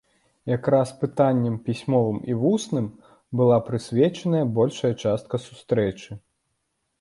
Якраз пытанням, пісьмовым і вусным, была прысвечаная большая частка сустрэчы.